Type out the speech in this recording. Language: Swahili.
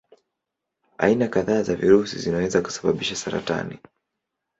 Aina kadhaa za virusi zinaweza kusababisha saratani.